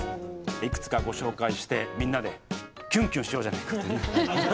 いくつか、ご紹介してみんなでキュンキュンしようじゃないかという。